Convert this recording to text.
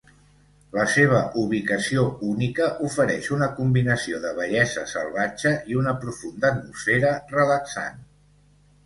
La seva ubicació única ofereix una combinació de bellesa salvatge i una profunda atmosfera relaxant.